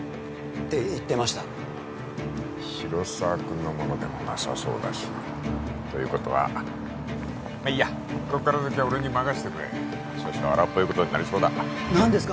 て言ってました広沢君のものでもなさそうだしということはまあいいやこっから先は俺に任せてくれ少々荒っぽいことになりそうだ何ですか？